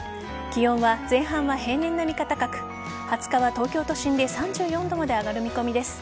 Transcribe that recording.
気温は前半は平年並みか高く２０日は東京都心で３４度まで上がる見込みです。